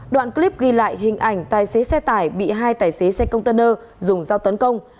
đoạn clip ghi lại hình ảnh tài xế xe tải bị hai tài xế xe công tân ơ dùng dao tấn công